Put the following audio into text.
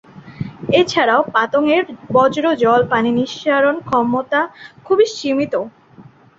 এছাড়াও পাতং-এর বর্জ্য জল পানি নিষ্কাশন ক্ষমতা খুবই সীমিত।